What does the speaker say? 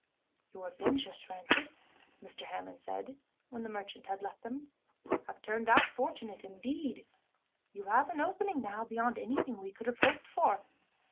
"Your adventures, Francis," Mr. Hammond said when the merchant had left them, "have turned out fortunate, indeed. You have an opening now beyond anything we could have hoped for.